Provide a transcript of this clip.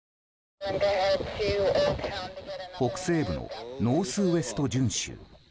北西部のノースウェスト準州。